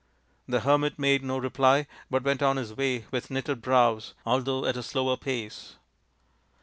The hermit made no reply, but went on his way with knitted brows, although at a slower pace.